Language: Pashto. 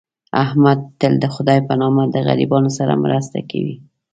احمد تل دخدی په نامه د غریبانو سره مرسته کوي.